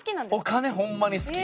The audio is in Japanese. お金ホンマに好き。